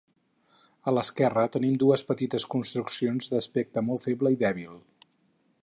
A l'esquerra tenim dues petites construccions d'aspecte molt feble i dèbil.